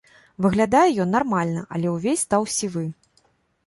Выглядае ён нармальна, але ўвесь стаў сівы.